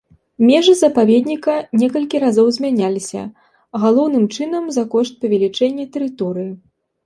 Межы запаведніка некалькі разоў змяняліся, галоўным чынам за кошт павелічэння тэрыторыі.